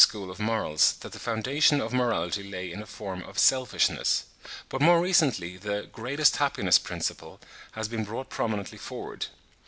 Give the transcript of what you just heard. school of morals that the foundation of morality lay in a form of Selfishness; but more recently the "Greatest happiness principle" has been brought prominently forward.